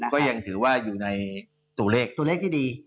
ก็ยังถือว่าอยู่ในตัวเลข